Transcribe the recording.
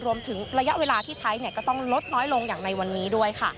รวมถึงระยะเวลาที่ใช้ก็ต้องลดน้อยลงอย่างในวันนี้ด้วยค่ะ